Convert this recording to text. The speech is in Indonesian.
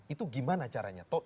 itu gimana caranya